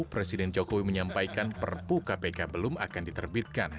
presiden jokowi menyampaikan perpu kpk belum akan diterbitkan